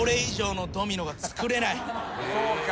そうか。